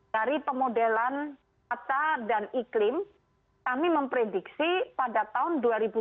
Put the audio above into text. dari pemodelan mata dan iklim kami memprediksi pada tahun dua ribu dua puluh